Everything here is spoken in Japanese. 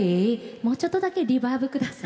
もうちょっとだけリバーブください。